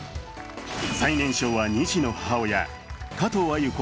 最年少は２児の母親、加藤鮎子